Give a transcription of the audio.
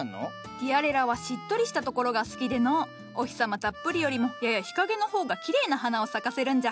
ティアレラはしっとりした所が好きでのうお日様たっぷりよりもやや日陰の方がきれいな花を咲かせるんじゃ。